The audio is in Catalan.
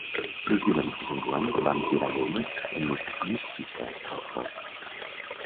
L'última nit de sant Joan vam tirar llenya enigmística al foc.